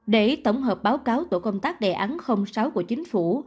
để tổng hợp báo cáo tổ công tác đề án sáu của chính phủ